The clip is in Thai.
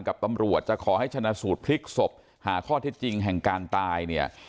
กับตำรวจจะขอให้ชนะสูตรพลิกศพหาข้อเท็จจริงแห่งการตายเนี่ย